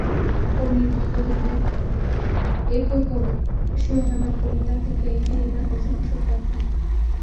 কবি নির্মলেন্দু গুলণের একই শিরোনামের কবিতা থেকে এটি নির্মাণ করেছেন মাসুদ পথিক।